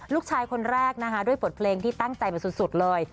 ลูกชายคนแรกนะคะด้วยบทเพลงที่ตั้งใจมาสุดเลย